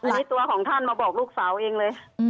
อันนี้ตัวของท่านมาบอกลูกสาวเองเลย